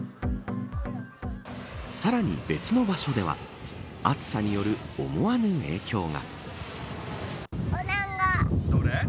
さらに別の場所では暑さによる思わぬ影響が。